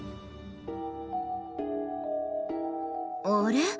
あれ？